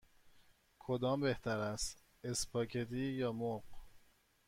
کدام بهتر است: اسپاگتی یا مرغ؟